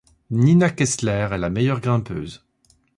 Nina Kessler est la meilleure grimpeuse.